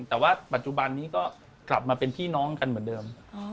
แต่ว่าปัจจุบันนี้ก็กลับมาเป็นพี่น้องกันเหมือนเดิม